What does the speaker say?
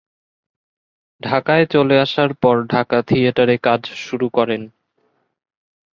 ঢাকায় চলে আসার পর ঢাকা থিয়েটারে কাজ শুরু করেন।